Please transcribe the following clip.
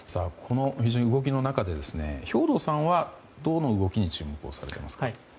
この動きの中で兵頭さんはどの動きに注目をされていますか？